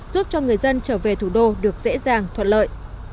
giúp cho người dân trở về thủ đô được dễ dàng thuận lợi